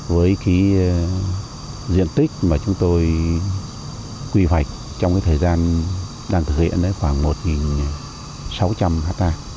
với cái diện tích mà chúng tôi quy hoạch trong cái thời gian đang thực hiện khoảng một sáu trăm linh ha